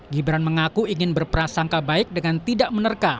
gibran mengaku ingin berprasangka baik dengan tidak menerka